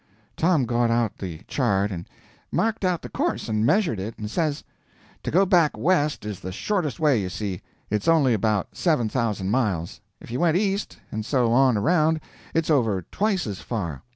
Tom got out the chart and marked out the course and measured it, and says: "To go back west is the shortest way, you see. It's only about seven thousand miles. If you went east, and so on around, it's over twice as far."